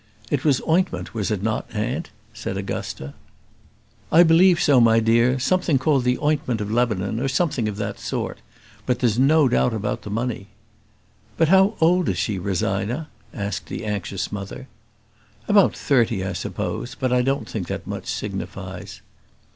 "It was ointment, was it not, aunt?" said Augusta. "I believe so, my dear; something called the ointment of Lebanon, or something of that sort: but there's no doubt about the money." "But how old is she, Rosina?" asked the anxious mother. "About thirty, I suppose; but I don't think that much signifies."